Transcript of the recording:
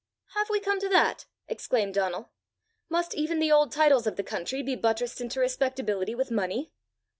"Have we come to that!" exclaimed Donal. "Must even the old titles of the country be buttressed into respectability with money?